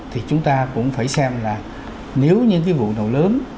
thì chúng ta cũng phải xem là nếu những cái vụ nổ lớn